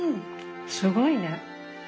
すごいね。